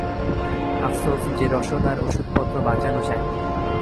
আফসোস যে রসদ আর ওষুধপত্র বাঁচানো যায়নি।